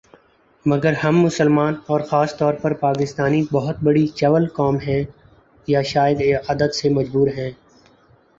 مگر ہم مسلمان اور خاص طور پر پاکستانی بہت بڑی چول قوم ہیں ، یا شاید عادت سے مجبور ہیں